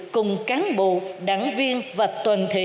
cùng cán bộ đảng viên và toàn thể nhân dân ta